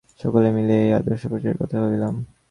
সকলে মিলিয়া এই আর্দশ-প্রচারের কথা ভাবিলাম।